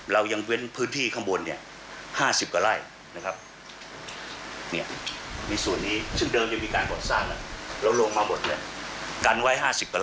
เรายังเว้นพื้นที่ข้างบน๕๐กระไร่